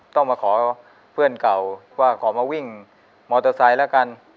ต้องมาขอเพื่อนเก่าว่าขอมาวิ่งมอเตอร์ไซค์แล้วกัน